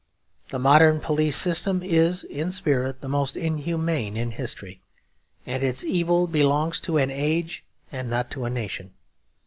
The modern police system is in spirit the most inhuman in history, and its evil belongs to an age and not to a nation.